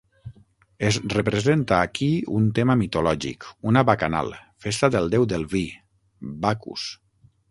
Es representa aquí un tema mitològic, una bacanal, festa del déu del vi, Bacus.